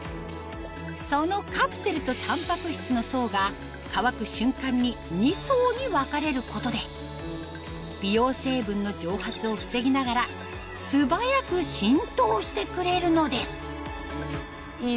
そのカプセルとタンパク質の層が乾く瞬間に２層に分かれることで美容成分の蒸発を防ぎながら素早く浸透してくれるのですいい